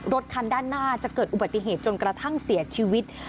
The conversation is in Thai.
รถคันด้านหน้าจะเกิดอุบัติเหตุจนกระทั่งเสียชีวิต